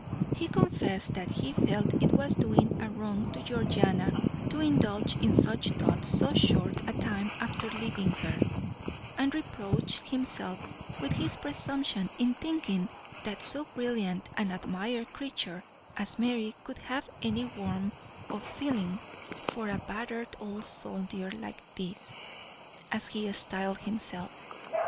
He confessed that he felt it was doing a wrong to Georgiana to indulge in such thoughts so short a time after leaving her, and reproached himself with his presumption in thinking that so brilliant and admired creature as Mary could have any warmth of feeling for "a battered old soldier like this," as he styled himself.